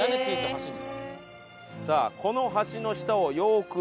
橋に。